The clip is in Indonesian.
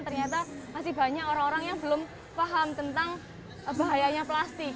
ternyata masih banyak orang orang yang belum paham tentang bahayanya plastik